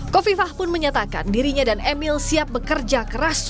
kofifah pun menyatakan dirinya dan emil siap bekerja keras